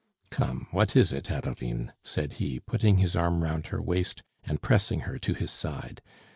"Come, what is it, Adeline?" said he, putting his arm round her waist and pressing her to his side.